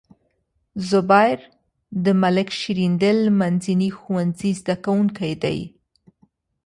زبير د ملک شیریندل منځني ښوونځي زده کوونکی دی.